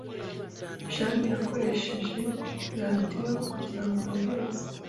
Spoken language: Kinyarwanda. Jane yakoresheje radiyo kugirango yohereze.